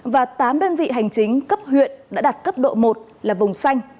và tám đơn vị hành chính cấp huyện đã đạt cấp độ một là vùng xanh